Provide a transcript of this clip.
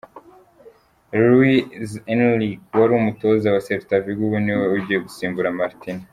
Luis Enrique wari umutoza wa Celta Vigo, ubu niwe ugiye gusimbura Martino.